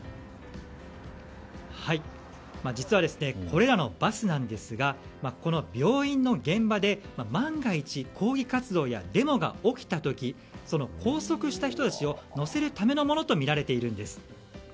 実は、これらのバスですがこの病院の現場で万が一、抗議活動やデモが起きた時拘束した人たちを乗せるためのものとみられているんです。